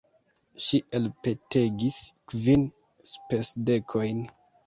Ŝi elpetegis kvin spesdekojn.